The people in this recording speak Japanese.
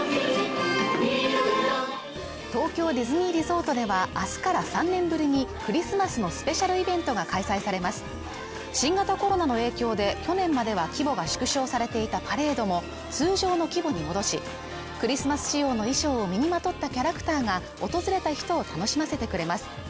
東京ディズニーリゾートでは明日から３年ぶりにクリスマスのスペシャルイベントが開催されます新型コロナの影響で去年までは規模が縮小されていたパレードも通常の規模に戻しクリスマス仕様の衣装を身にまとったキャラクターが訪れた人を楽しませてくれます